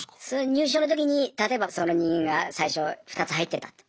入所のときに例えばその人間が最初２つ入ってたと。